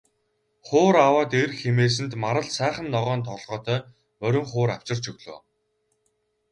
Хуур аваад ир хэмээсэнд Марал сайхан ногоон толгойтой морин хуур авчирч өглөө.